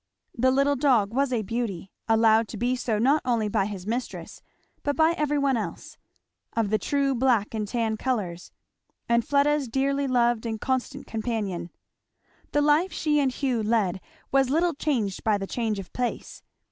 The little dog was a beauty, allowed to be so not only by his mistress but by every one else; of the true black and tan colours; and Fleda's dearly loved and constant companion. The life she and Hugh led was little changed by the change of place.